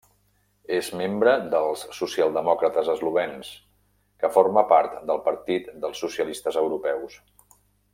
És membre dels Socialdemòcrates eslovens, que forma part del Partit dels Socialistes Europeus.